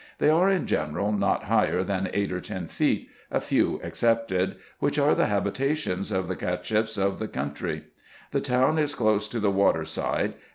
They are in general not higher than eight or ten feet, a few excepted, which are the habitations of the Cacheffs of the country. The town is close to the water side.